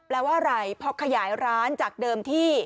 แปลว่าอะไรพอขยายร้านจากเดิมที่